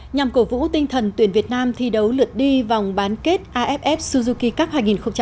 nhằm cổ vũ tinh thần tuyển việt nam thi đấu lượt đi vòng bán kết aff suzuki cup hai nghìn một mươi tám